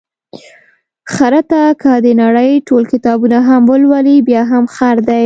خره ته که د نړۍ ټول کتابونه هم ولولې، بیا هم خر دی.